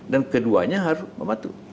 dan keduanya harus membantu